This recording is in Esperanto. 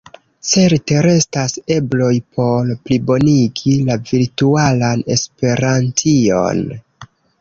Certe restas ebloj por plibonigi la virtualan Esperantion.